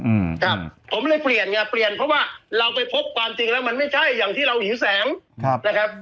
อืมครับผมเลยเปลี่ยนไงเปลี่ยนเพราะว่าเราไปพบความจริงแล้วมันไม่ใช่อย่างที่เราหิวแสงครับนะครับ